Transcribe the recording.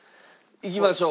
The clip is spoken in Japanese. いきましょう。